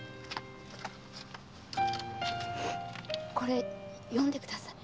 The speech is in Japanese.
これ読んでください。